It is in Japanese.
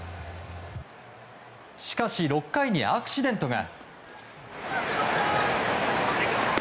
しかし、６回にアクシデントが。